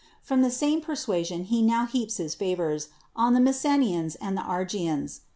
From the same persuasion he now heaps his favors on the ]\Iessenians and Argians.